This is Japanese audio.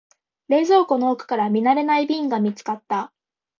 冷蔵庫の奥から見慣れない瓶が見つかった。